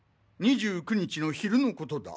２９日の昼の事だ。